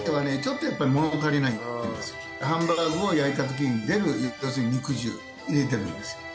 ハンバーグを焼いた時に出る要するに肉汁入れてるんですよ。